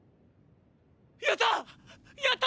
やった！！